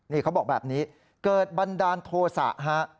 นี่เขาบอกแบบนี้เกิดบันดาลโทษะฮะ